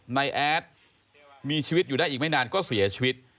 นายแอดมีชีวิตอยู่ได้อีกไม่นานก็เสียชีวิต